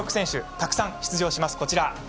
たくさん出場します、こちら。